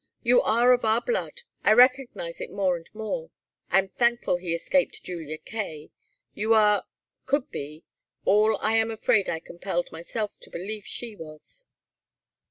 You are of our blood. I recognize it more and more. I am thankful he escaped Julia Kaye. You are could be all I am afraid I compelled myself to believe she was."